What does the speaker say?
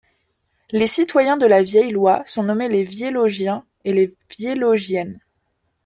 Les citoyens de La Vieille Loye sont nommés les Vieilogiens et les Vieilogiennes.